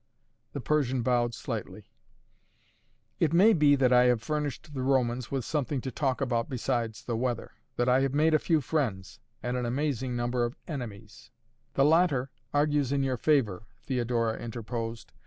The Persian bowed slightly. "It may be that I have furnished the Romans with something to talk about besides the weather; that I have made a few friends, and an amazing number of enemies " "The latter argues in your favor," Theodora interposed.